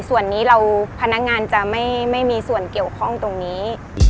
ส่วนนี้เราพนักงานจะไม่มีส่วนเกี่ยวข้องตรงนี้